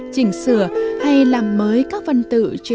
chỉnh sửa hay làm mới các văn tự